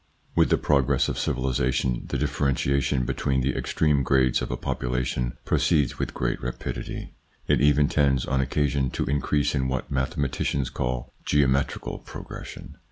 With the progress of civilisation, the differentiation between the extreme grades of a population proceeds with great rapidity ; it even tends, on occasion, to increase in what mathematicians call geometrical progression.